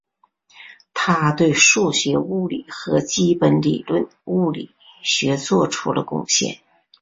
他对数学物理和基本理论物理学做出了贡献。